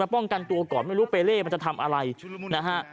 ป้องกันตัวก่อนไม่รู้เปเล่มันจะทำอะไรนะฮะ